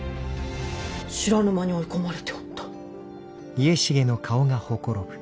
知らぬ間に追い込まれておった。